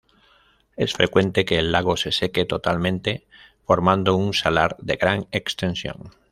Es frecuente que el lago se seque totalmente, formando un salar de gran extensión.